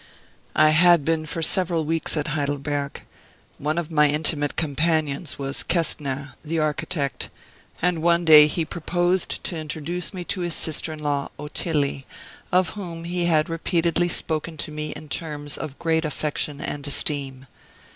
"I had been for several weeks at Heidelberg. One of my intimate companions was Kestner, the architect, and he one day proposed to introduce me to his sister in law, Ottilie, of whom he had repeatedly spoken to me in terms of great affection and esteem.